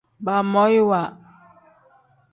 Baamoyiwa.